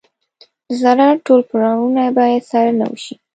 د زراعت ټول پړاوونه باید څارنه وشي.